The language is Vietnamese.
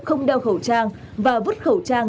không đeo khẩu trang và vứt khẩu trang